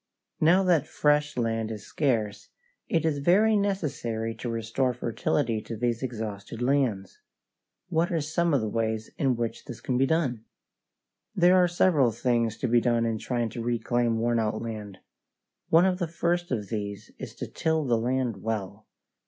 Now that fresh land is scarce it is very necessary to restore fertility to these exhausted lands. What are some of the ways in which this can be done? [Illustration: FIG. 11. CLOVER IS A SOIL IMPROVER] There are several things to be done in trying to reclaim worn out land. One of the first of these is to till the land well.